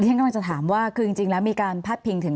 ฉันกำลังจะถามว่าคือจริงแล้วมีการพาดพิงถึง